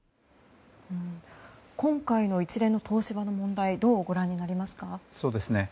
今回の一連の東芝の問題どうご覧になりますか？